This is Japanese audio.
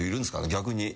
逆に。